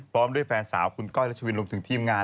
พร้อมด้วยแฟนสาวคุณก้อยและชวิน